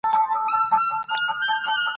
افغانستان د کوچیانو له پلوه یو متنوع هېواد دی.